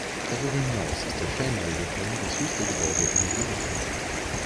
Darüber hinaus ist der Fernmeldeturm das höchste Gebäude in Bielefeld.